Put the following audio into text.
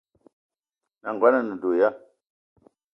N’nagono a ne do ya ?